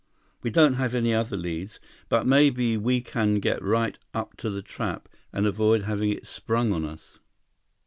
We don't have any other leads. But maybe we can get right up to the trap and avoid having it sprung on us."